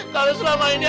kalo selama ini